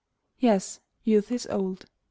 Yes, Youth is old .